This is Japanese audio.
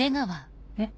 えっ？